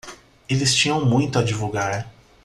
Eles tinham muito a divulgar.